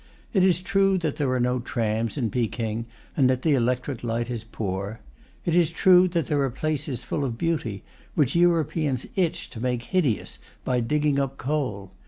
It is true that there are no trams in Peking, and that the electric light is poor. It is true that there are places full of beauty, which Europeans itch to make hideous by digging up coal.